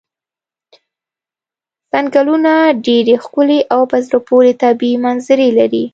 څنګلونه ډېرې ښکلې او په زړه پورې طبیعي منظرې لري.